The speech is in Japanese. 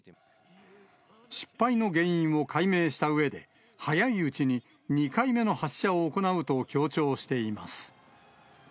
失敗の原因を解明したうえで、早いうちに２回目の発射を行うと強調しています。